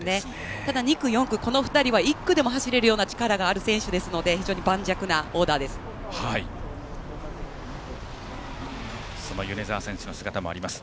ただ２区、４区この２人は１区でも走れるような力のある選手ですので非常に盤石なオーダーです。